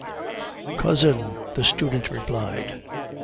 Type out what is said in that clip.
"Cousin..." the student replied.